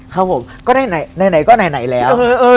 ครับผมก็ได้ไหนแล้ว